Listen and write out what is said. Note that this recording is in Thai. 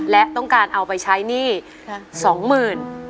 และต้องการเอาไปใช้หนี้๒หมื่น